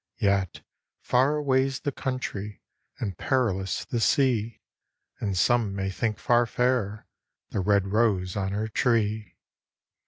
Yet, far away"! the country, and feriloui the sea. And some may think far fairer the red rose on her tree.